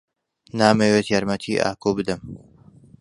نامەوێت یارمەتیی ئاکۆ بدەم.